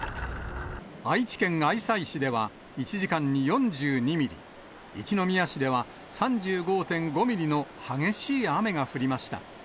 愛知県愛西市では、１時間に４２ミリ、一宮市では３５．５ミリの激しい雨が降りました。